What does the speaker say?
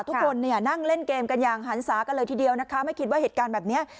ทุกคนเนี่ยนั่งเล่นเกมกันอย่างหันศากันเลยทีเดียวนะคะไม่คิดว่าเหตุการณ์แบบนี้